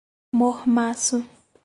Mormaço